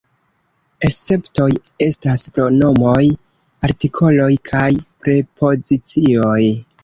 Esceptoj estas pronomoj, artikoloj kaj prepozicioj.